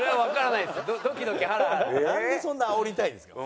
なんでそんなあおりたいんですか。